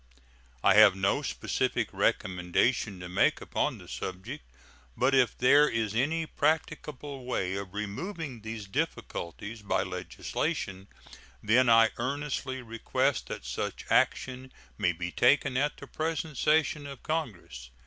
I have no specific recommendation to make upon the subject, but if there is any practicable way of removing these difficulties by legislation, then I earnestly request that such action may be taken at the present session of Congress.